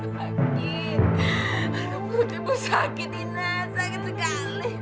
maksud ibu sakit ina sakit sekali